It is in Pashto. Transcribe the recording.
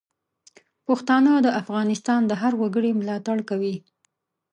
پښتانه د افغانستان د هر وګړي ملاتړ کوي.